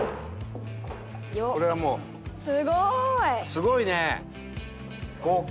すごいね！